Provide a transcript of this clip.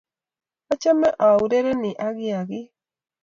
Achame aurereni ak kiakik